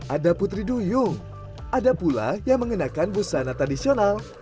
ada putri duyung ada pula yang mengenakan busana tradisional